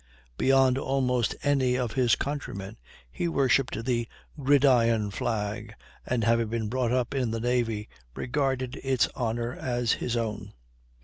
Beyond almost any of his countrymen, he worshipped the "Gridiron Flag," and, having been brought up in the Navy, regarded its honor as his own.